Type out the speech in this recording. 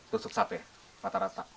tusuk sate rata rata